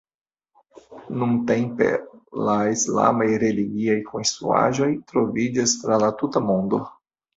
Nuntempe la islamaj religiaj konstruaĵoj troviĝas tra la tuta mondo.